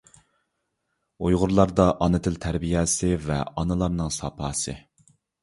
ئۇيغۇرلاردا ئانا تەربىيەسى ۋە ئانىلارنىڭ ساپاسى.